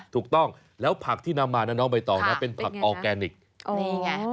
ถูกต้องแล้วผักที่นำมานะน้องใบตองนะเป็นผักออร์แกนิคนี่ไง